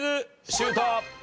シュート！